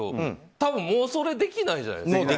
多分もうそれ、できないじゃないですか。